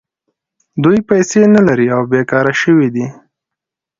دوی پیسې نلري او بېکاره شوي دي